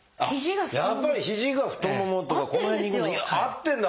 やっぱり肘が太ももとかこの辺に合ってるんだ。